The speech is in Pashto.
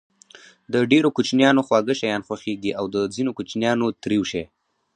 د ډېرو کوچنيانو خواږه شيان خوښېږي او د ځينو کوچنيانو تريؤ شی.